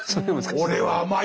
俺は甘い。